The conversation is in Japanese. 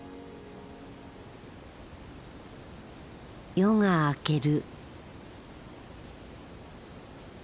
夜が明ける。